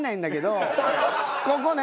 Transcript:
ここね。